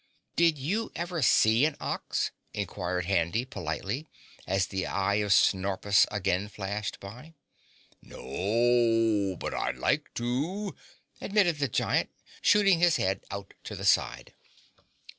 "Did you ever see an ox?" inquired Handy politely as the eye of Snorpus again flashed by. "No, but I'd like to," admitted the Giant, shooting his head out to the side.